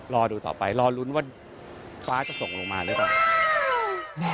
รอดูต่อไปรอลุ้นว่าฟ้าจะส่งลงมาหรือเปล่า